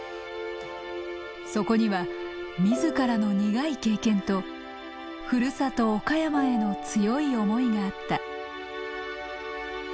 そこには自らの苦い経験とふるさと岡山への強い思いがあった。